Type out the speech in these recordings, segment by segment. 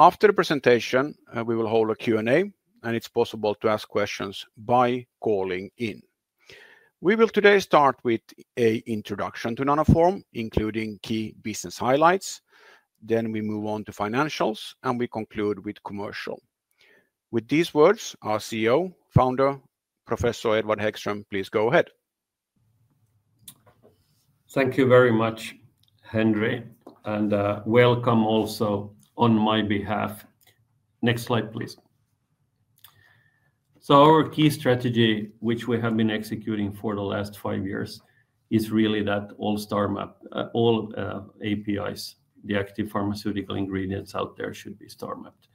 After the presentation, we will hold a Q&A, and it's possible to ask questions by calling in. We will today start with an introduction to Nanoform, including key business highlights. Then we move on to financials, and we conclude with commercial. With these words, our CEO, founder, Professor Edward Hæggström, please go ahead. Thank you very much, Henri, and welcome also on my behalf. Next slide, please. Our key strategy, which we have been executing for the last five years, is really that all APIs, the active pharmaceutical ingredients out there, should be STAR-mapped.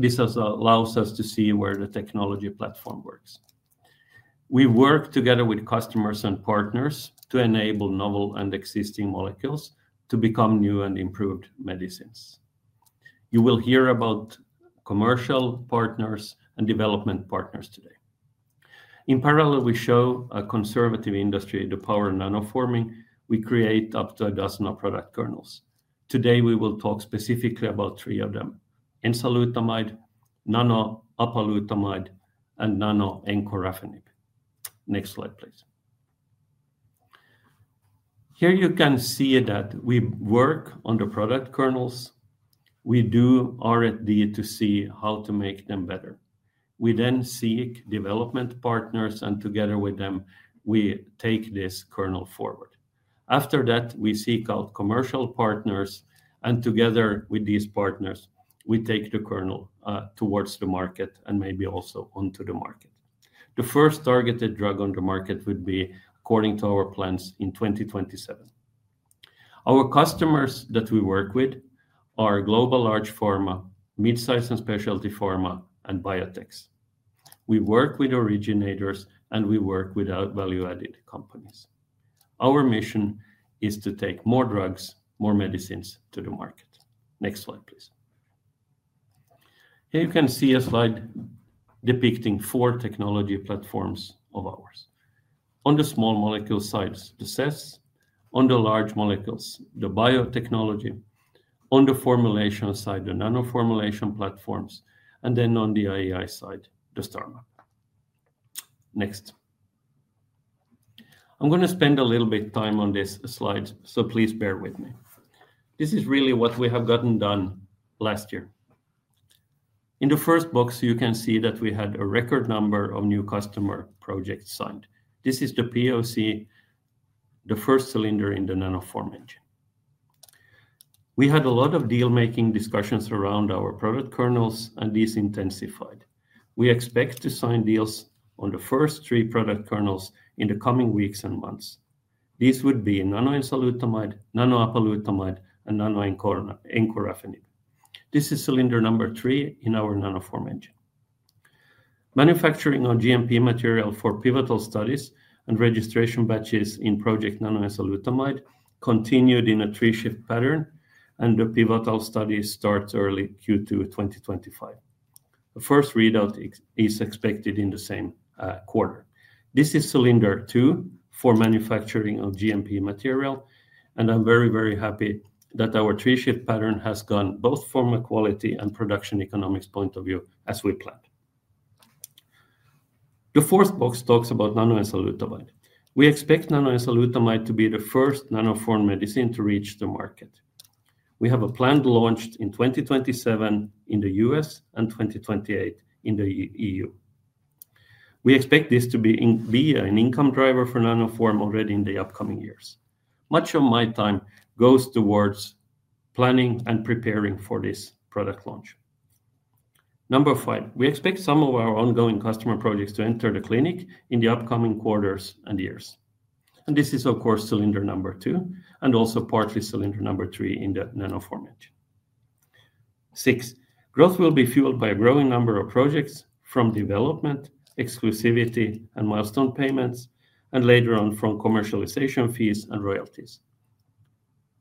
This allows us to see where the technology platform works. We work together with customers and partners to enable novel and existing molecules to become new and improved medicines. You will hear about commercial partners and development partners today. In parallel, we show a conservative industry the power of nanoforming. We create up to a dozen of product kernels. Today, we will talk specifically about three of them: Nanoenzalutamide, Nanoapalutamide, and Nanoencorafenib. Next slide, please. Here you can see that we work on the product kernels. We do R&D to see how to make them better. We then seek development partners, and together with them, we take this kernel forward. After that, we seek out commercial partners, and together with these partners, we take the kernel towards the market and maybe also onto the market. The first targeted drug on the market would be, according to our plans, in 2027. Our customers that we work with are global large pharma, mid-size and specialty pharma, and biotechs. We work with originators, and we work with value-added companies. Our mission is to take more drugs, more medicines to the market. Next slide, please. Here you can see a slide depicting four technology platforms of ours. On the small molecule side, the CESS; on the large molecules, the biotechnology; on the formulation side, the nanoformulation platforms; and then on the AI side, the STARmap. Next. I'm going to spend a little bit of time on this slide, so please bear with me. This is really what we have gotten done last year. In the first box, you can see that we had a record number of new customer projects signed. This is the POC, the first cylinder in the Nanoform engine. We had a lot of deal-making discussions around our product kernels, and these intensified. We expect to sign deals on the first three product kernels in the coming weeks and months. These would be nanoenzalutamide, nanoapalutamide, and nanoencorafenib. This is cylinder number three in our Nanoform engine. Manufacturing of GMP material for pivotal studies and registration batches in project nanoenzalutamide continued in a three-shift pattern, and the pivotal studies start early Q2 2025. The first readout is expected in the same quarter. This is cylinder two for manufacturing of GMP material, and I'm very, very happy that our three-shift pattern has gone both from a quality and production economics point of view as we planned. The fourth box talks about nanoenzalutamide. We expect nanoenzalutamide to be the first Nanoform medicine to reach the market. We have a planned launch in 2027 in the U.S. and 2028 in the EU. We expect this to be an income driver for Nanoform already in the upcoming years. Much of my time goes towards planning and preparing for this product launch. Number five, we expect some of our ongoing customer projects to enter the clinic in the upcoming quarters and years. This is, of course, cylinder number two and also partly cylinder number three in the Nanoform engine. Six, growth will be fueled by a growing number of projects from development, exclusivity, and milestone payments, and later on from commercialization fees and royalties.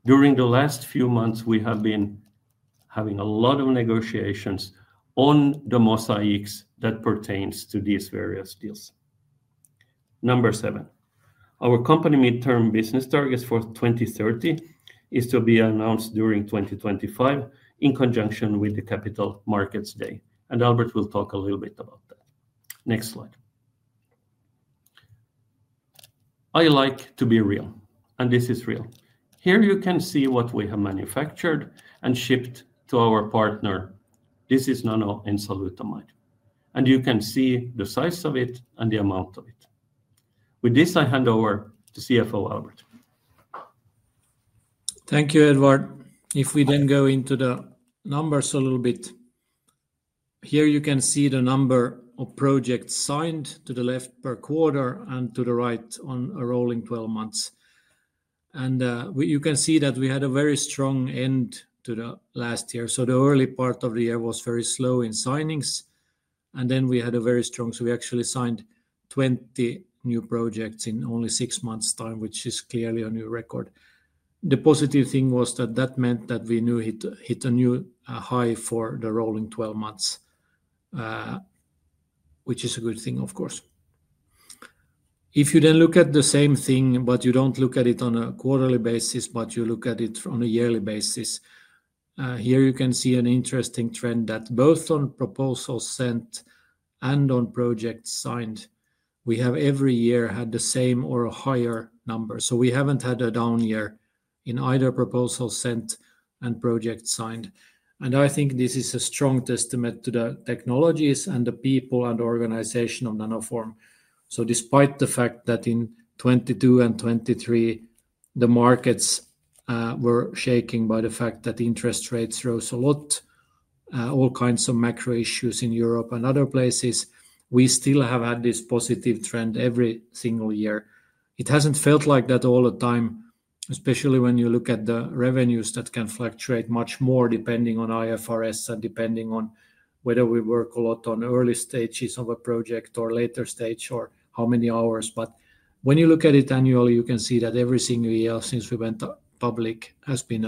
During the last few months, we have been having a lot of negotiations on the mosaics that pertain to these various deals. Number seven, our company midterm business targets for 2030 are to be announced during 2025 in conjunction with the Capital Markets Day, and Albert will talk a little bit about that. Next slide. I like to be real, and this is real. Here you can see what we have manufactured and shipped to our partner. This is nanoenzalutamide, and you can see the size of it and the amount of it. With this, I hand over to CFO Albert. Thank you, Edward. If we then go into the numbers a little bit, here you can see the number of projects signed to the left per quarter and to the right on a rolling 12 months. You can see that we had a very strong end to the last year. The early part of the year was very slow in signings, and then we had a very strong... We actually signed 20 new projects in only six months' time, which is clearly a new record. The positive thing was that that meant that we knew we hit a new high for the rolling 12 months, which is a good thing, of course. If you then look at the same thing, but you do not look at it on a quarterly basis, but you look at it on a yearly basis, here you can see an interesting trend that both on proposals sent and on projects signed, we have every year had the same or a higher number. We have not had a down year in either proposal sent and project signed. I think this is a strong testament to the technologies and the people and organization of Nanoform. Despite the fact that in 2022 and 2023, the markets were shaken by the fact that interest rates rose a lot, all kinds of macro issues in Europe and other places, we still have had this positive trend every single year. It hasn't felt like that all the time, especially when you look at the revenues that can fluctuate much more depending on IFRS and depending on whether we work a lot on early stages of a project or later stage or how many hours. When you look at it annually, you can see that every single year since we went public has been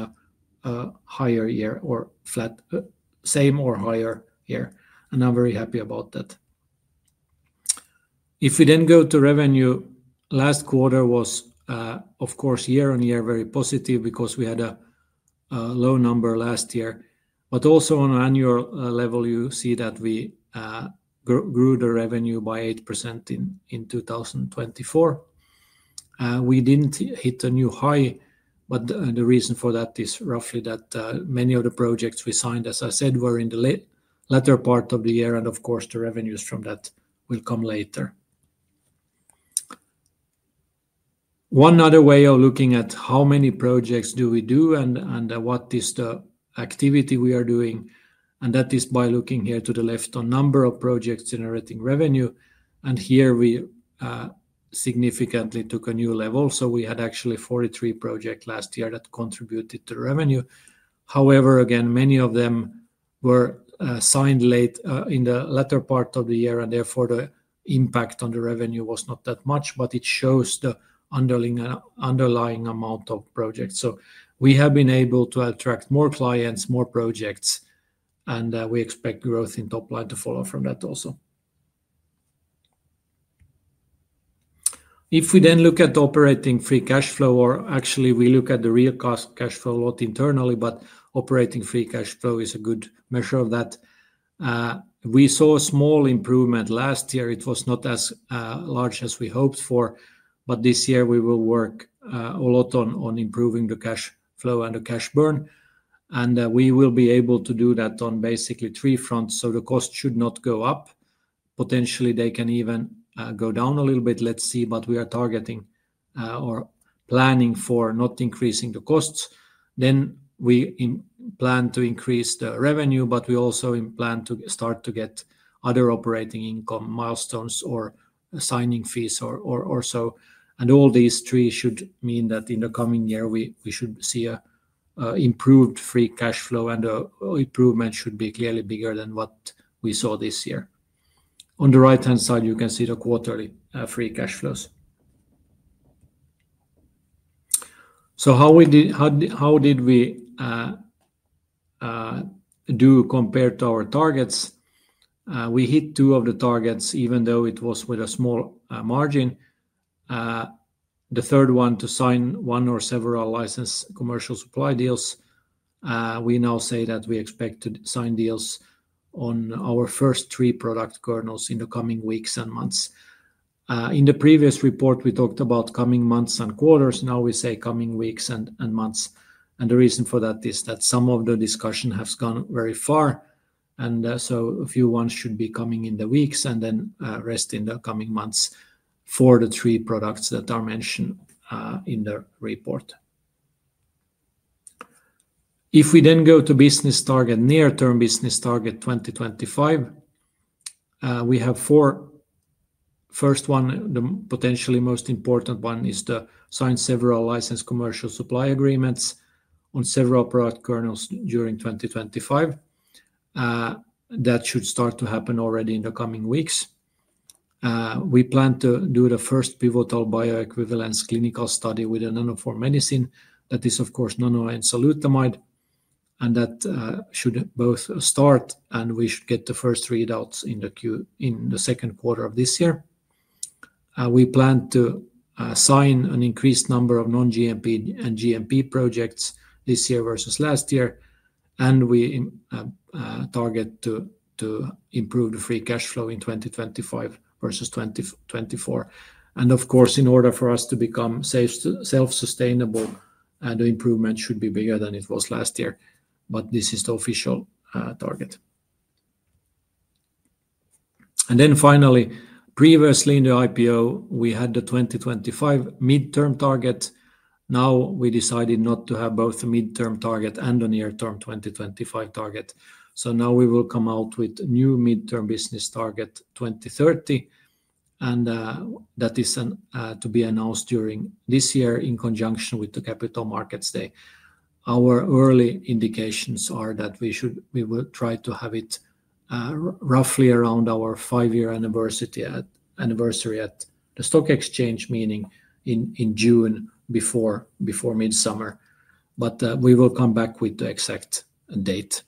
a higher year or flat, same or higher year. I'm very happy about that. If we then go to revenue, last quarter was, of course, year on year very positive because we had a low number last year. Also on an annual level, you see that we grew the revenue by 8% in 2024. We didn't hit a new high, but the reason for that is roughly that many of the projects we signed, as I said, were in the latter part of the year, and of course, the revenues from that will come later. One other way of looking at how many projects do we do and what is the activity we are doing, and that is by looking here to the left on number of projects generating revenue. Here we significantly took a new level. We had actually 43 projects last year that contributed to revenue. However, again, many of them were signed late in the latter part of the year, and therefore the impact on the revenue was not that much, but it shows the underlying amount of projects. We have been able to attract more clients, more projects, and we expect growth in top line to follow from that also. If we then look at operating free cash flow, or actually we look at the real cash flow a lot internally, but operating free cash flow is a good measure of that. We saw a small improvement last year. It was not as large as we hoped for, but this year we will work a lot on improving the cash flow and the cash burn. We will be able to do that on basically three fronts. The cost should not go up. Potentially, they can even go down a little bit. Let's see, but we are targeting or planning for not increasing the costs. We plan to increase the revenue, but we also plan to start to get other operating income milestones or signing fees or so. All these three should mean that in the coming year, we should see an improved free cash flow, and the improvement should be clearly bigger than what we saw this year. On the right-hand side, you can see the quarterly free cash flows. How did we do compared to our targets? We hit two of the targets, even though it was with a small margin. The third one, to sign one or several licensed commercial supply deals. We now say that we expect to sign deals on our first three product kernels in the coming weeks and months. In the previous report, we talked about coming months and quarters. Now we say coming weeks and months. The reason for that is that some of the discussion has gone very far, and so a few ones should be coming in the weeks and then rest in the coming months for the three products that are mentioned in the report. If we then go to business target, near-term business target 2025, we have four. First one, the potentially most important one, is to sign several licensed commercial supply agreements on several product kernels during 2025. That should start to happen already in the coming weeks. We plan to do the first pivotal bioequivalence clinical study with a Nanoform medicine. That is, of course, nanoenzalutamide, and that should both start, and we should get the first readouts in the second quarter of this year. We plan to sign an increased number of non-GMP and GMP projects this year versus last year, and we target to improve the free cash flow in 2025 versus 2024. Of course, in order for us to become self-sustainable, the improvement should be bigger than it was last year, but this is the official target. Finally, previously in the IPO, we had the 2025 midterm target. Now we decided not to have both a midterm target and a near-term 2025 target. Now we will come out with a new midterm business target 2030, and that is to be announced during this year in conjunction with the Capital Markets Day. Our early indications are that we will try to have it roughly around our five-year anniversary at the stock exchange, meaning in June before midsummer. We will come back with the exact date.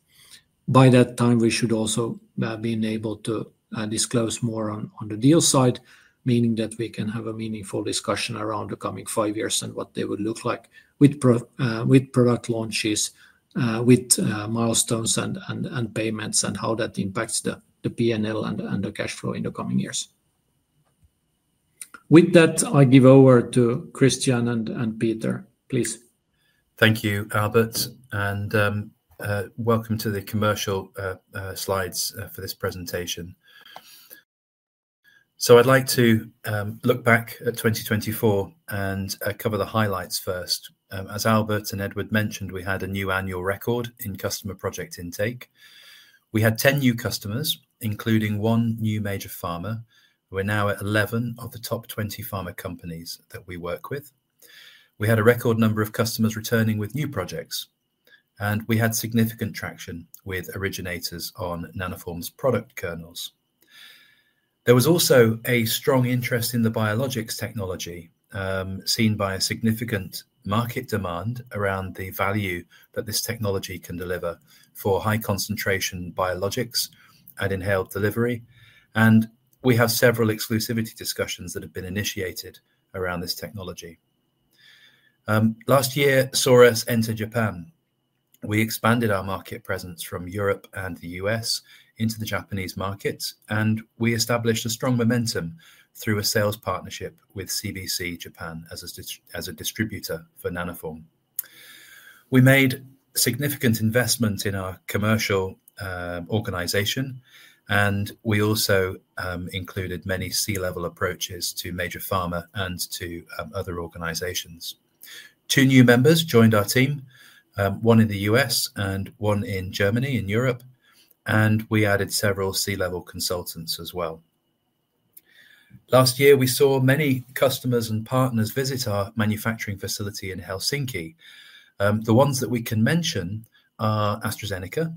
By that time, we should also be able to disclose more on the deal side, meaning that we can have a meaningful discussion around the coming five years and what they would look like with product launches, with milestones and payments, and how that impacts the P&L and the cash flow in the coming years. With that, I give over to Christian and Peter. Please. Thank you, Albert, and welcome to the commercial slides for this presentation. I would like to look back at 2024 and cover the highlights first. As Albert and Edward mentioned, we had a new annual record in customer project intake. We had 10 new customers, including one new major pharma. We are now at 11 of the top 20 pharma companies that we work with. We had a record number of customers returning with new projects, and we had significant traction with originators on Nanoform's product kernels. There was also a strong interest in the biologics technology seen by a significant market demand around the value that this technology can deliver for high concentration biologics and inhaled delivery. We have several exclusivity discussions that have been initiated around this technology. Last year saw us enter Japan. We expanded our market presence from Europe and the U.S. into the Japanese markets, and we established a strong momentum through a sales partnership with CBC Japan as a distributor for Nanoform. We made significant investment in our commercial organization, and we also included many C-level approaches to major pharma and to other organizations. Two new members joined our team, one in the US and one in Germany, in Europe, and we added several C-level consultants as well. Last year, we saw many customers and partners visit our manufacturing facility in Helsinki. The ones that we can mention are AstraZeneca.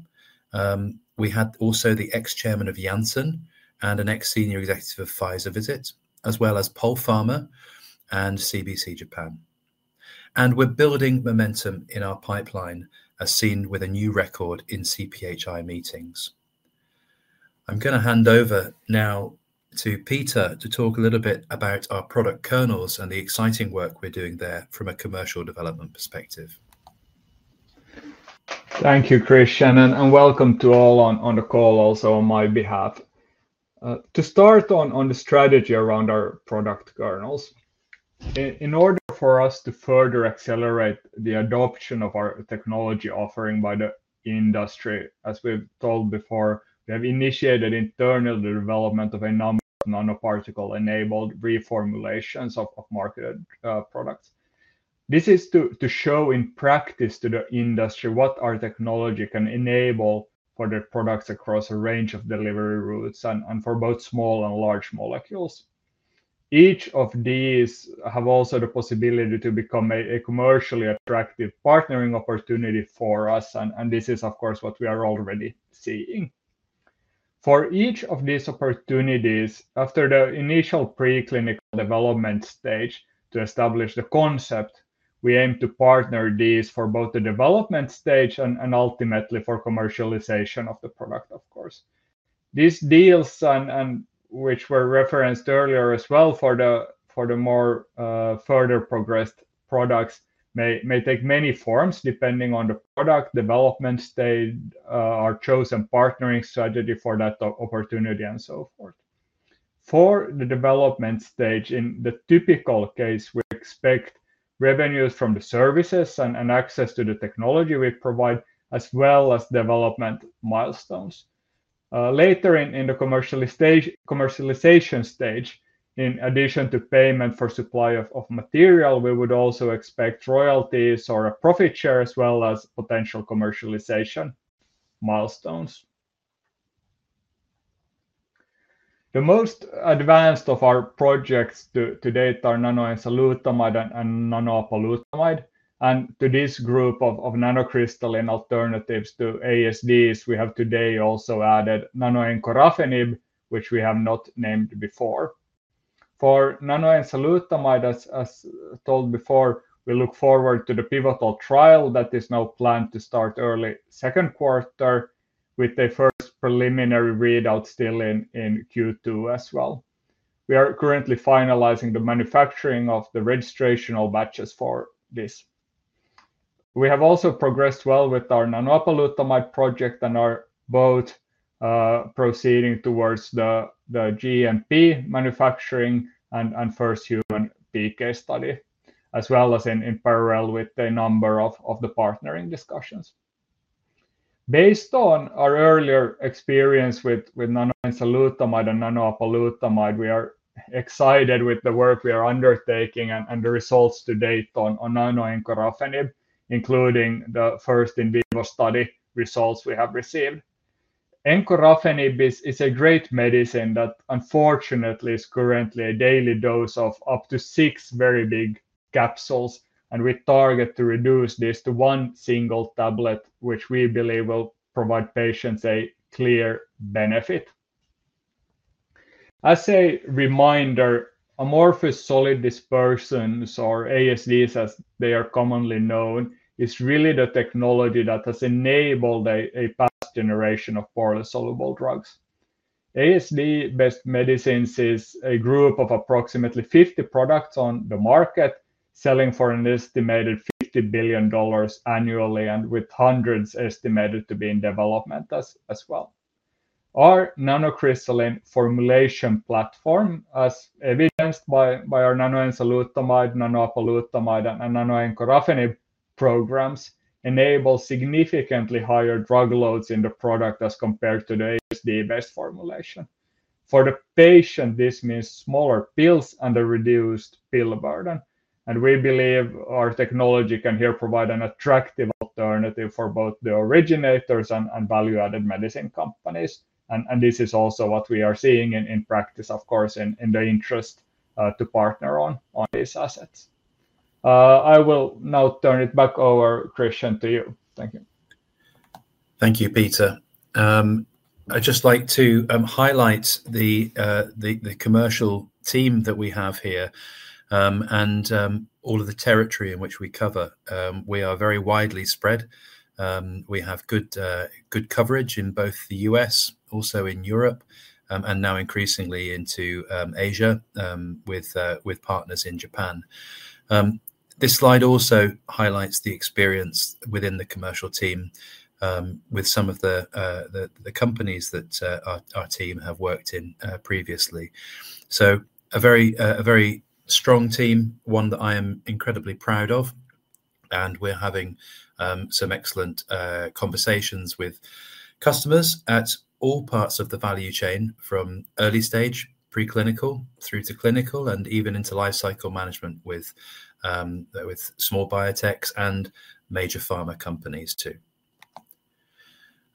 We had also the ex-chairman of Janssen and an ex-senior executive of Pfizer visit, as well as Polpharma and CBC Japan. We are building momentum in our pipeline as seen with a new record in CPhI meetings. I'm going to hand over now to Peter to talk a little bit about our product kernels and the exciting work we're doing there from a commercial development perspective. Thank you, Christian, and welcome to all on the call also on my behalf. To start on the strategy around our product kernels, in order for us to further accelerate the adoption of our technology offering by the industry, as we've told before, we have initiated internal development of a number of nanoparticle-enabled reformulations of marketed products. This is to show in practice to the industry what our technology can enable for the products across a range of delivery routes and for both small and large molecules. Each of these has also the possibility to become a commercially attractive partnering opportunity for us, and this is, of course, what we are already seeing. For each of these opportunities, after the initial preclinical development stage to establish the concept, we aim to partner these for both the development stage and ultimately for commercialization of the product, of course. These deals, which were referenced earlier as well for the more further progressed products, may take many forms depending on the product development stage, our chosen partnering strategy for that opportunity, and so forth. For the development stage, in the typical case, we expect revenues from the services and access to the technology we provide, as well as development milestones. Later in the commercialization stage, in addition to payment for supply of material, we would also expect royalties or a profit share, as well as potential commercialization milestones. The most advanced of our projects to date are nanoenzalutamide and nanoapalutamide. To this group of nanocrystalline alternatives to ASDs, we have today also added nanoencorafenib, which we have not named before. For nanoenzalutamide, as told before, we look forward to the pivotal trial that is now planned to start early second quarter, with the first preliminary readout still in Q2 as well. We are currently finalizing the manufacturing of the registration batches for this. We have also progressed well with our nanoapalutamide project and are both proceeding towards the GMP manufacturing and first human PK study, as well as in parallel with the number of the partnering discussions. Based on our earlier experience with nanoenzalutamide and nanoapalutamide, we are excited with the work we are undertaking and the results to date on nanoencorafenib, including the first in vivo study results we have received. Encorafenib is a great medicine that unfortunately is currently a daily dose of up to six very big capsules, and we target to reduce this to one single tablet, which we believe will provide patients a clear benefit. As a reminder, amorphous solid dispersions, or ASDs as they are commonly known, is really the technology that has enabled a past generation of poorly soluble drugs. ASD-based medicines is a group of approximately 50 products on the market, selling for an estimated $50 billion annually, and with hundreds estimated to be in development as well. Our nanocrystalline formulation platform, as evidenced by our nanoenzalutamide, nanoapalutamide, and nanoencorafenib programs, enables significantly higher drug loads in the product as compared to the ASD-based formulation. For the patient, this means smaller pills and a reduced pill burden. We believe our technology can here provide an attractive alternative for both the originators and value-added medicine companies. This is also what we are seeing in practice, of course, in the interest to partner on these assets. I will now turn it back over, Christian, to you. Thank you. Thank you, Peter. I'd just like to highlight the commercial team that we have here and all of the territory in which we cover. We are very widely spread. We have good coverage in both the US, also in Europe, and now increasingly into Asia with partners in Japan. This slide also highlights the experience within the commercial team with some of the companies that our team have worked in previously. A very strong team, one that I am incredibly proud of, and we're having some excellent conversations with customers at all parts of the value chain, from early stage, preclinical, through to clinical, and even into life cycle management with small biotechs and major pharma companies too.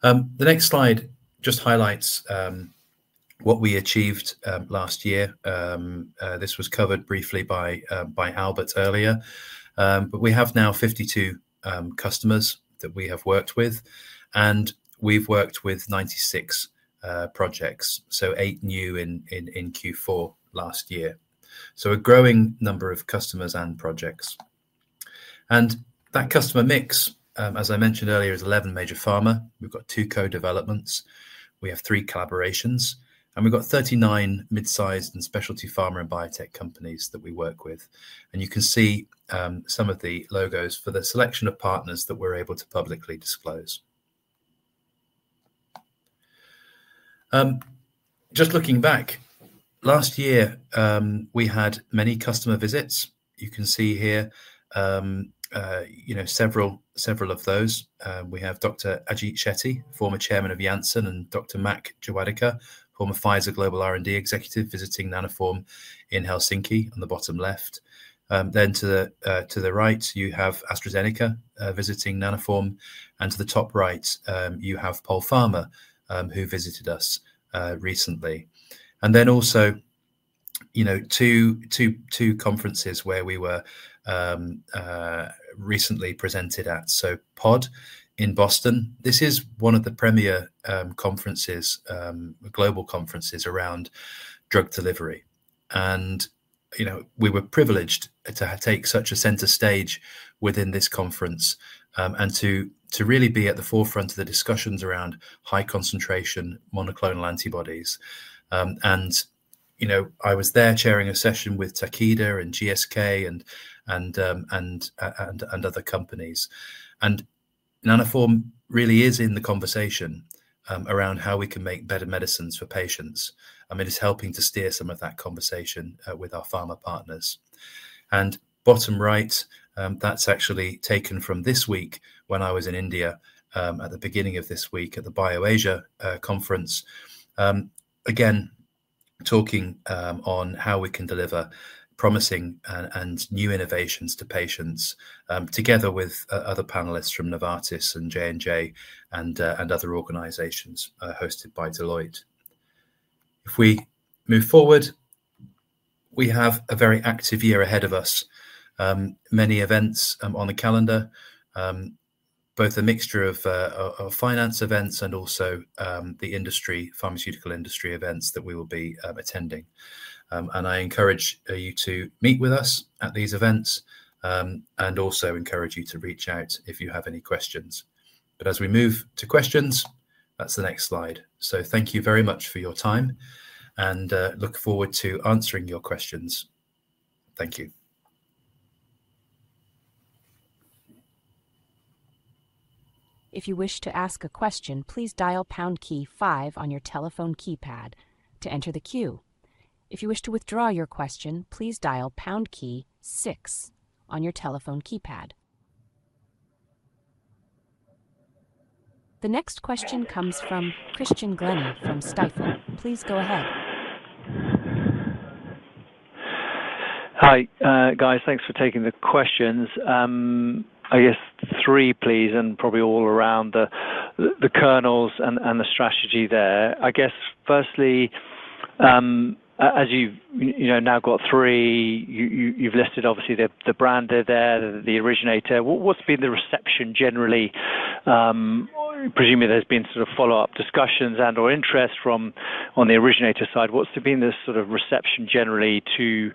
The next slide just highlights what we achieved last year. This was covered briefly by Albert earlier, but we have now 52 customers that we have worked with, and we've worked with 96 projects, eight new in Q4 last year. A growing number of customers and projects. That customer mix, as I mentioned earlier, is 11 major pharma. We've got two co-developments. We have three collaborations, and we've got 39 mid-sized and specialty pharma and biotech companies that we work with. You can see some of the logos for the selection of partners that we're able to publicly disclose. Just looking back, last year, we had many customer visits. You can see here several of those. We have Dr. Ajit Shetty, former chairman of Janssen, and Dr. Mak Jawadekar, former Pfizer Global R&D executive visiting Nanoform in Helsinki on the bottom left. To the right, you have AstraZeneca visiting Nanoform, and to the top right, you have Polpharma, who visited us recently. Also, two conferences where we were recently presented at, PODD in Boston. This is one of the premier global conferences around drug delivery. We were privileged to take such a center stage within this conference and to really be at the forefront of the discussions around high concentration monoclonal antibodies. I was there chairing a session with Takeda and GSK and other companies. Nanoform really is in the conversation around how we can make better medicines for patients. I mean, it's helping to steer some of that conversation with our pharma partners. Bottom right, that's actually taken from this week when I was in India at the beginning of this week at the BioAsia conference, again, talking on how we can deliver promising and new innovations to patients together with other panelists from Novartis and J&J and other organizations hosted by Deloitte. If we move forward, we have a very active year ahead of us. Many events on the calendar, both a mixture of finance events and also the industry, pharmaceutical industry events that we will be attending. I encourage you to meet with us at these events and also encourage you to reach out if you have any questions. As we move to questions, that's the next slide. Thank you very much for your time, and look forward to answering your questions. Thank you. If you wish to ask a question, please dial pound key five on your telephone keypad to enter the queue. If you wish to withdraw your question, please dial pound key six on your telephone keypad. The next question comes from Christian Glennie from Stifel. Please go ahead. Hi, guys. Thanks for taking the questions. I guess three, please, and probably all around the kernels and the strategy there. I guess, firstly, as you've now got three, you've listed, obviously, the brander there, the originator. What's been the reception generally? Presumably, there's been sort of follow-up discussions and/or interest from on the originator side. What's been the sort of reception generally to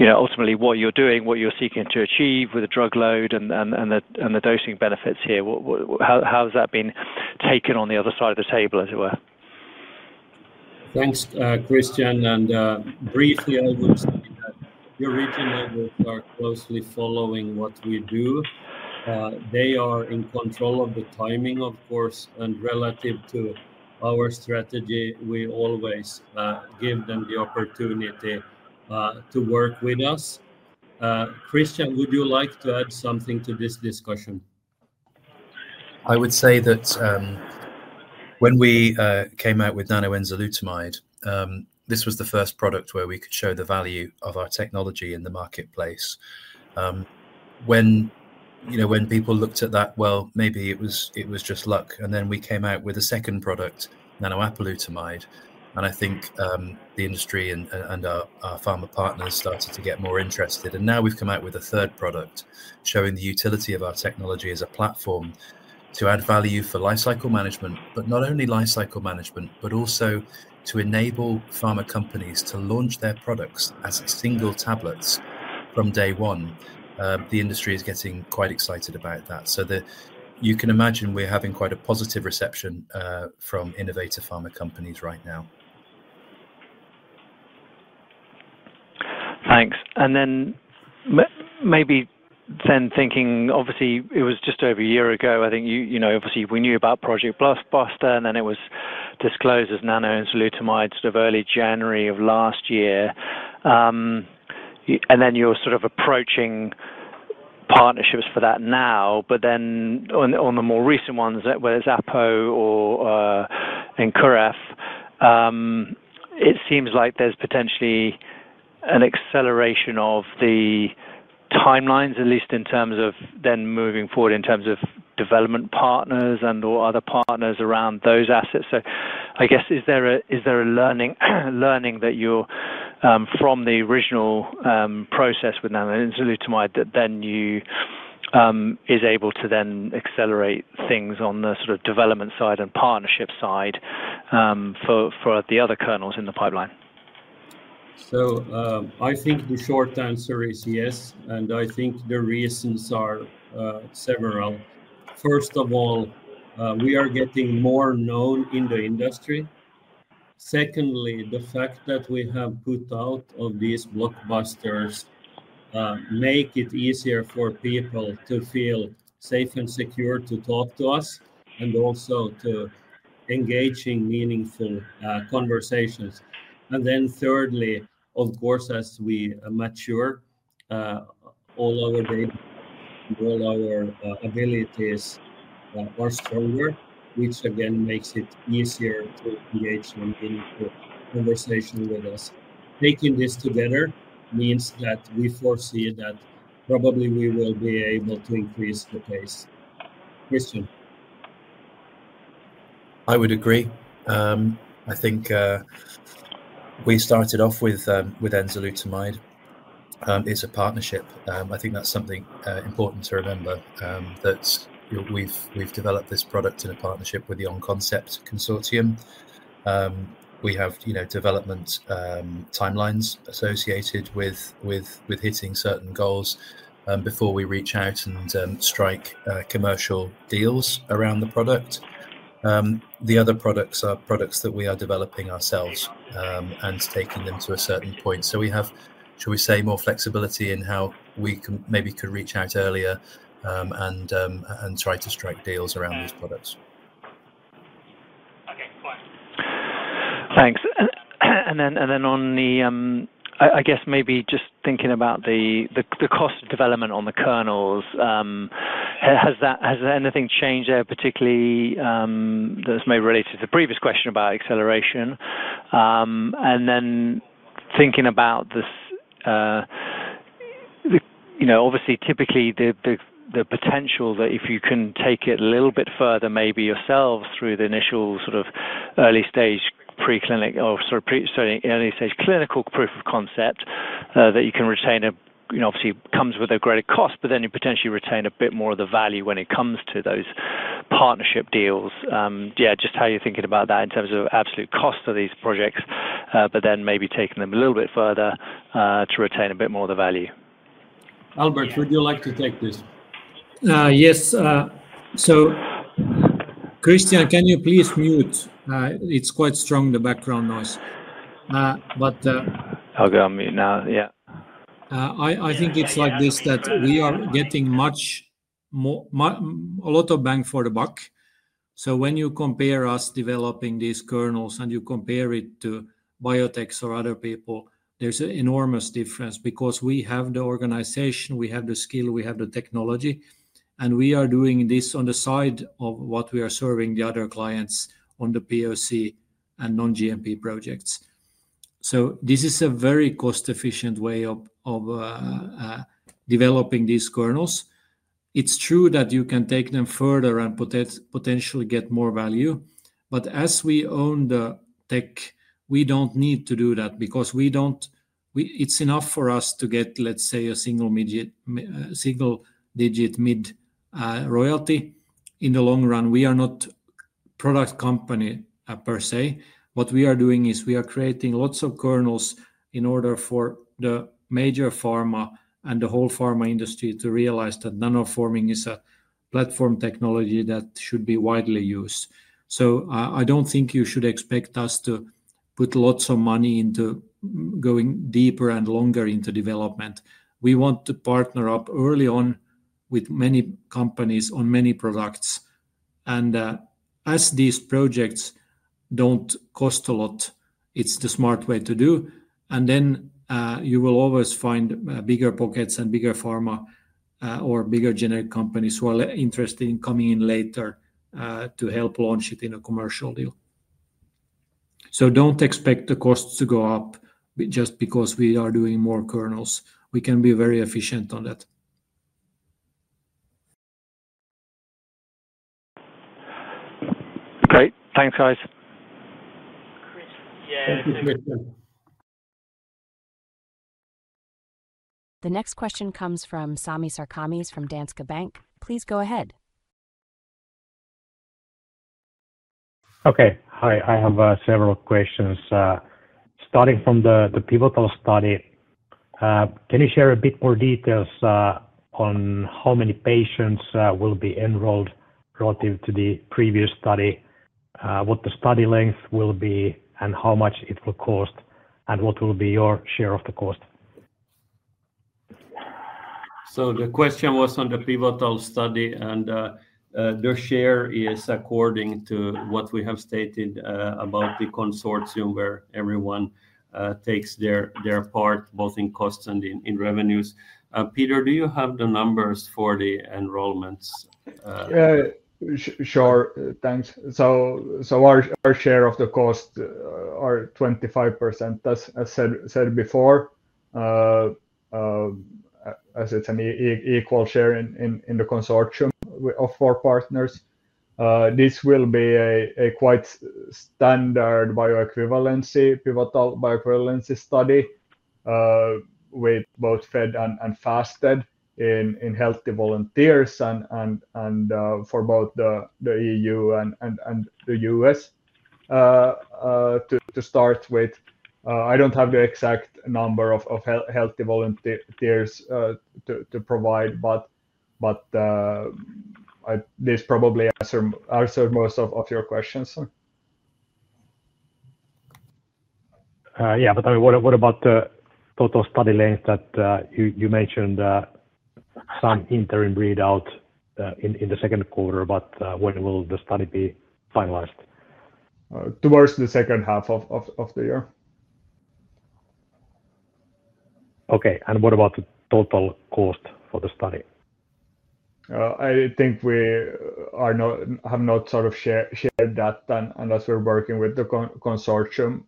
ultimately what you're doing, what you're seeking to achieve with the drug load and the dosing benefits here? How has that been taken on the other side of the table, as it were? Thanks, Christian. Briefly, I would say that the original group are closely following what we do. They are in control of the timing, of course, and relative to our strategy, we always give them the opportunity to work with us. Christian, would you like to add something to this discussion? I would say that when we came out with nanoenzalutamide, this was the first product where we could show the value of our technology in the marketplace. When people looked at that, well, maybe it was just luck. Then we came out with a second product, nanoapalutamide. I think the industry and our pharma partners started to get more interested. Now we've come out with a third product showing the utility of our technology as a platform to add value for life cycle management, but not only life cycle management, but also to enable pharma companies to launch their products as single tablets from day one. The industry is getting quite excited about that. You can imagine we're having quite a positive reception from innovative pharma companies right now. Thanks. Maybe thinking, obviously, it was just over a year ago. I think, obviously, we knew about Project Blaster, and then it was disclosed as nanoenzalutamide sort of early January of last year. You're sort of approaching partnerships for that now. On the more recent ones, whether it's APO or Encoraf, it seems like there's potentially an acceleration of the timelines, at least in terms of moving forward in terms of development partners and/or other partners around those assets. I guess, is there a learning that you're from the original process with nanoenzalutamide that you are able to then accelerate things on the development side and partnership side for the other kernels in the pipeline? I think the short answer is yes, and I think the reasons are several. First of all, we are getting more known in the industry. Secondly, the fact that we have put out all these blockbusters makes it easier for people to feel safe and secure to talk to us and also to engage in meaningful conversations. Thirdly, of course, as we mature, all our abilities are stronger, which again makes it easier to engage in meaningful conversation with us. Taking this together means that we foresee that probably we will be able to increase the pace. Christian. I would agree. I think we started off with enzalutamide as a partnership. I think that's something important to remember that we've developed this product in a partnership with the OnConcept Consortium. We have development timelines associated with hitting certain goals before we reach out and strike commercial deals around the product. The other products are products that we are developing ourselves and taking them to a certain point. We have, shall we say, more flexibility in how we maybe could reach out earlier and try to strike deals around these products. Okay. Fine. Thanks. Then on the, I guess, maybe just thinking about the cost of development on the kernels, has anything changed there, particularly that's maybe related to the previous question about acceleration? Thinking about this, obviously, typically, the potential that if you can take it a little bit further, maybe yourselves through the initial sort of early stage preclinic or, sorry, early stage clinical proof of concept that you can retain, obviously, comes with a greater cost, but then you potentially retain a bit more of the value when it comes to those partnership deals. Yeah, just how are you thinking about that in terms of absolute cost of these projects, but then maybe taking them a little bit further to retain a bit more of the value? Albert, would you like to take this? Yes. Christian, can you please mute? It's quite strong, the background noise. I'll go on mute now. Yeah. I think it's like this that we are getting a lot of bang for the buck. When you compare us developing these kernels and you compare it to biotechs or other people, there's an enormous difference because we have the organization, we have the skill, we have the technology, and we are doing this on the side of what we are serving the other clients on the POC and non-GMP projects. This is a very cost-efficient way of developing these kernels. It's true that you can take them further and potentially get more value. As we own the tech, we don't need to do that because it's enough for us to get, let's say, a single-digit mid royalty. In the long run, we are not a product company per se. What we are doing is we are creating lots of kernels in order for the major pharma and the whole pharma industry to realize that nanoforming is a platform technology that should be widely used. I don't think you should expect us to put lots of money into going deeper and longer into development. We want to partner up early on with many companies on many products. As these projects don't cost a lot, it's the smart way to do. You will always find bigger pockets and bigger pharma or bigger generic companies who are interested in coming in later to help launch it in a commercial deal. Don't expect the costs to go up just because we are doing more kernels. We can be very efficient on that. Great. Thanks, guys. Thank you, Christian. The next question comes from Sami Sarkamies from Danske Bank. Please go ahead. Okay. Hi. I have several questions. Starting from the pivotal study, can you share a bit more details on how many patients will be enrolled relative to the previous study, what the study length will be, and how much it will cost, and what will be your share of the cost? The question was on the pivotal study, and the share is according to what we have stated about the consortium where everyone takes their part both in cost and in revenues. Peter, do you have the numbers for the enrollments? Sure. Thanks. Our share of the cost is 25%, as said before, as it's an equal share in the consortium of four partners. This will be a quite standard bioequivalence, pivotal bioequivalence study with both fed and fasted in healthy volunteers and for both the EU and the US to start with. I don't have the exact number of healthy volunteers to provide, but this probably answered most of your questions. Yeah. What about the total study length? You mentioned some interim readout in the second quarter, but when will the study be finalized? Towards the second half of the year. Okay. What about the total cost for the study? I think we have not sort of shared that unless we're working with the consortium.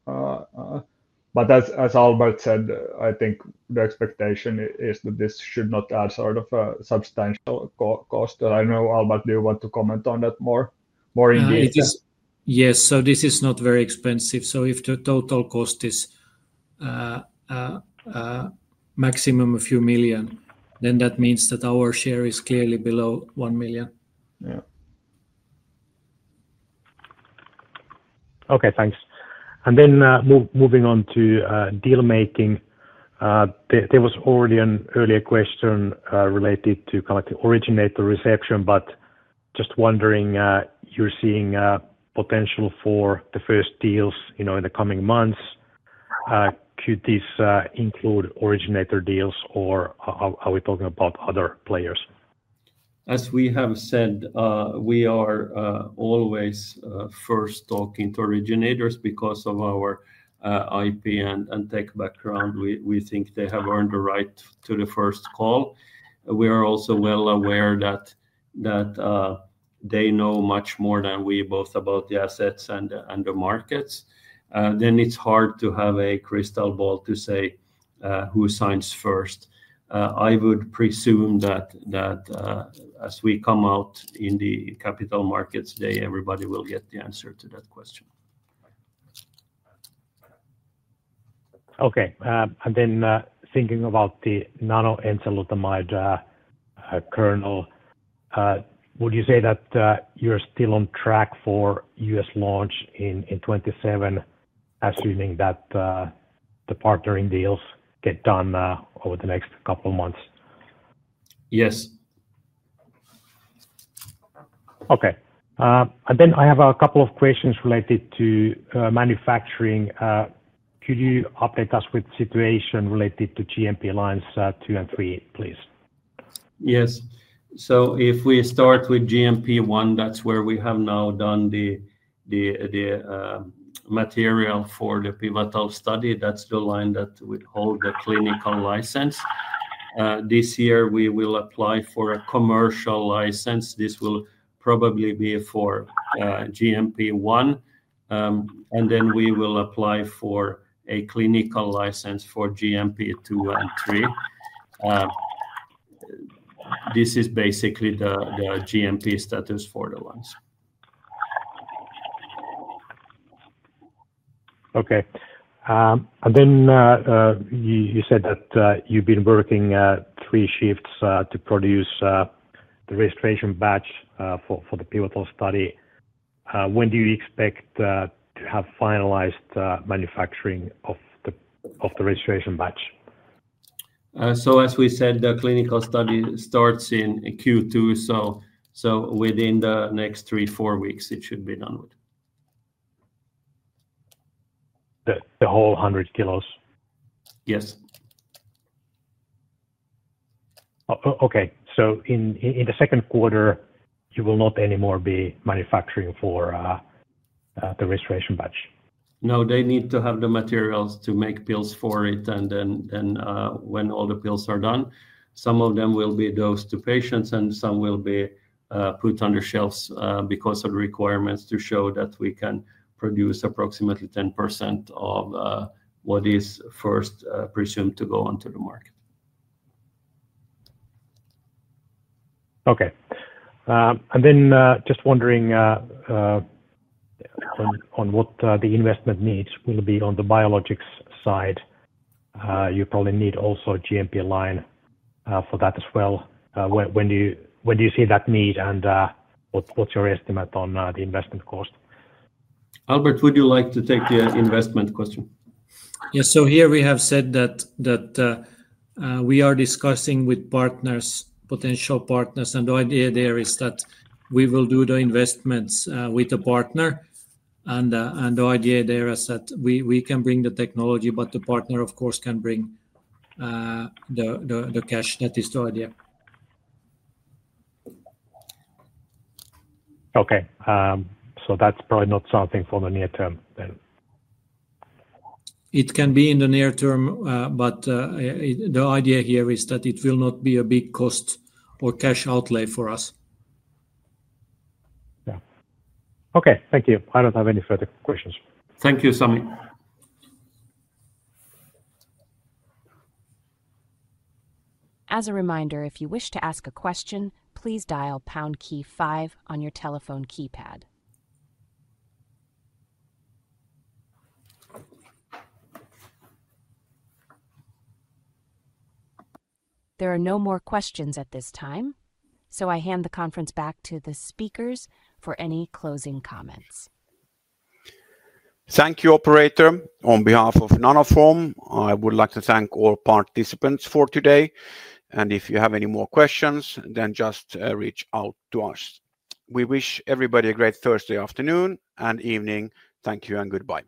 As Albert said, I think the expectation is that this should not add sort of a substantial cost. I know, Albert, do you want to comment on that more in detail? Yes. This is not very expensive. If the total cost is maximum a few million, then that means that our share is clearly below $1 million. Yeah. Okay. Thanks. Moving on to deal-making, there was already an earlier question related to kind of the originator reception, but just wondering, you're seeing potential for the first deals in the coming months. Could this include originator deals, or are we talking about other players? As we have said, we are always first talking to originators because of our IP and tech background. We think they have earned the right to the first call. We are also well aware that they know much more than we both about the assets and the markets. It is hard to have a crystal ball to say who signs first. I would presume that as we come out in the capital markets day, everybody will get the answer to that question. Okay. And then thinking about the nanoenzalutamide kernel, would you say that you're still on track for US launch in 2027, assuming that the partnering deals get done over the next couple of months? Yes. Okay. I have a couple of questions related to manufacturing. Could you update us with the situation related to GMP lines two and three, please? Yes. If we start with GMP one, that's where we have now done the material for the pivotal study. That's the line that would hold the clinical license. This year, we will apply for a commercial license. This will probably be for GMP one. We will apply for a clinical license for GMP two and three. This is basically the GMP status for the lines. Okay. You said that you've been working three shifts to produce the registration batch for the pivotal study. When do you expect to have finalized manufacturing of the registration batch? As we said, the clinical study starts in Q2. Within the next three, four weeks, it should be done with. The whole 100 kilos? Yes. Okay. In the second quarter, you will not anymore be manufacturing for the registration batch? No. They need to have the materials to make pills for it. When all the pills are done, some of them will be dosed to patients, and some will be put on the shelves because of the requirements to show that we can produce approximately 10% of what is first presumed to go onto the market. Okay. Just wondering on what the investment needs will be on the biologics side. You probably need also a GMP line for that as well. When do you see that need, and what's your estimate on the investment cost? Albert, would you like to take the investment question? Yes. Here we have said that we are discussing with partners, potential partners, and the idea there is that we will do the investments with a partner. The idea there is that we can bring the technology, but the partner, of course, can bring the cash. That is the idea. Okay. So that's probably not something for the near term then. It can be in the near term, but the idea here is that it will not be a big cost or cash outlay for us. Yeah. Okay. Thank you. I don't have any further questions. Thank you, Sami. As a reminder, if you wish to ask a question, please dial pound key five on your telephone keypad. There are no more questions at this time, so I hand the conference back to the speakers for any closing comments. Thank you, operator. On behalf of Nanoform, I would like to thank all participants for today. If you have any more questions, just reach out to us. We wish everybody a great Thursday afternoon and evening. Thank you and goodbye.